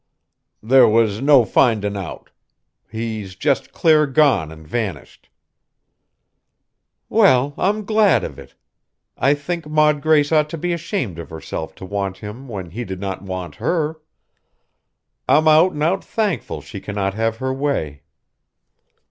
"There was no findin' out. He's jest clear gone an' vanished." "Well, I'm glad of it! I think Maud Grace ought to be ashamed of herself to want him when he did not want her. I'm out and out thankful she cannot have her way."